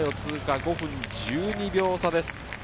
５分１２秒差です。